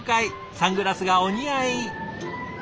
サングラスがお似合い。